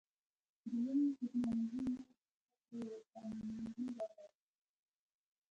د لوړې ټیکنالوژۍ نوي شرکت ته یو ګاونډی راغی